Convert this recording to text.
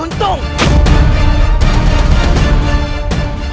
tidak tidak tidak